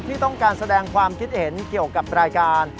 ที่ต้องการแสดงความคิดเห็นเกี่ยวกับรายการ